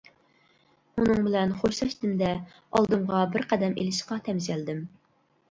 ئۇنىڭ بىلەن خوشلاشتىم دە، ئالدىمغا بىر قەدەم ئىلىشقا تەمشەلدىم.